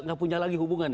tidak punya lagi hubungan